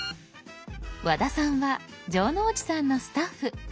和田さんは城之内さんのスタッフ。